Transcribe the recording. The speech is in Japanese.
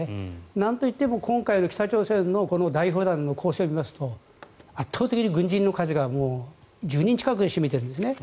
なんといっても今回、北朝鮮の代表団の構成を見ますと圧倒的に軍人の数が１０人近く占めてるんですね。